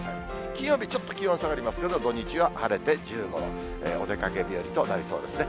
金曜日、ちょっと気温下がりますけど、土日は晴れて１５度、お出かけ日和となりそうですね。